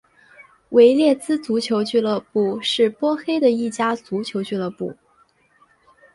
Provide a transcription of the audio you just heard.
维列兹足球俱乐部是波黑的一家足球俱乐部。